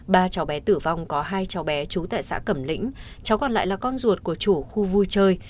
ba cháu bé tử vong có hai cháu bé trú tại xã cẩm lĩnh cháu còn lại là con ruột của chủ khu vui chơi